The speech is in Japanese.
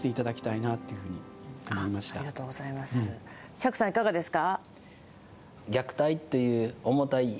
釈さん、いかがですか？